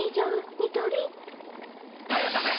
ニトリ・はいいらっしゃいませ！